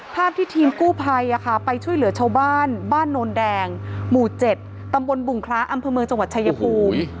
ภาพที่ทีมกู้ภัยไปช่วยเหลือชาวบ้านบ้านโนนแดงหมู่๗ตำบลบุงคล้าอำเภอเมืองจังหวัดชายภูมิ